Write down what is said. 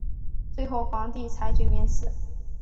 最后皇帝裁决免死。